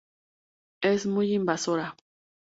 Es muy invasora.